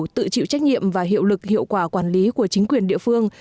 tự chịu trách nhiệm và hiệu lực hiệu quả quản lý của chính quyền địa phương